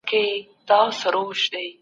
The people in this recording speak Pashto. زکات نه ورکول لویه ګناه ده.